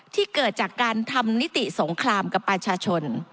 เกิดจากการทำนิติสงครามกับประชาชน